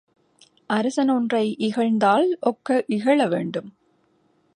அரசன் ஒன்றை இகழ்ந்தால் ஒக்க இகழ வேண்டும்.